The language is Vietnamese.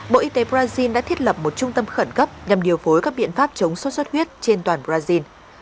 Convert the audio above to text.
bộ y tế brazil đã thiết lập một trung tâm khẩn cấp nhằm điều phối các biện pháp chống sốt xuất huyết trên toàn brazil